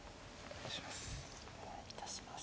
お願いします。